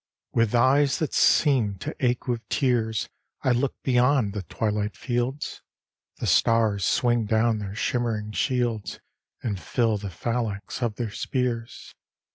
XXIV With eyes that seem to ache with tears I look beyond the twilight fields: The stars swing down their shimmering shields, And fill the phalanx of their spears.